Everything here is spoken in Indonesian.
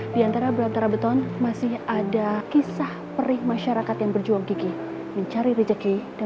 diantara berantara beton masih ada kisah perih masyarakat yang berjuang gigi mencari rejeki dan